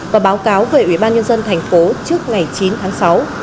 và báo cáo về ubnd thành phố trước ngày chín tháng sáu